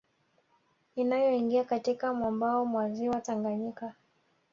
Inayoingia katika mwambao mwa Ziwa Tanganyika